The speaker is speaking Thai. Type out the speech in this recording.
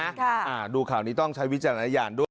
อ่าดูข่าวนี้ต้องใช้วิจารณญาณด้วย